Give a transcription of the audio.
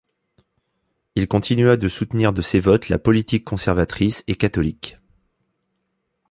Il continua de soutenir de ses votes la politique conservatrice et catholique.